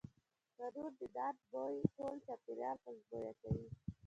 تنور د نان بوی ټول چاپېریال خوشبویه کوي